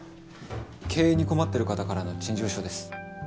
経営に困ってる方からの陳情書です。